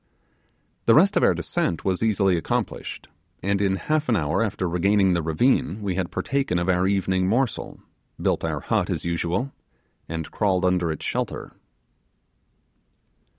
The rest of our descent was easily accomplished, and in half an hour after regaining the ravine we had partaken of our evening morsel, built our hut as usual, and crawled under its shelter.